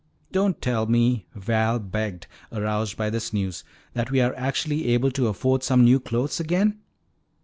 "Don't tell me," Val begged, aroused by this news, "that we are actually able to afford some new clothes again?"